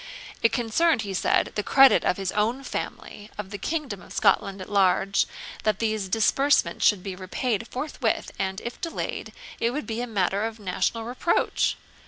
It concerned, he said, the credit of his own family, and of the kingdom of Scotland at large, that these disbursements should be repaid forthwith, and, if delayed, it would be a matter of national reproach.